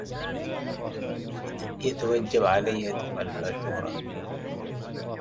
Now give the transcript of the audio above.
يتوجب عليَّ دفع الفاتورة.